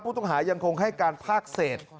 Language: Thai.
ผู้ต้องหายังคงให้การภาคเศษ